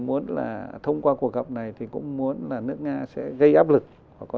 muốn là thông qua cuộc gặp này thì cũng muốn là nước nga sẽ gây áp lực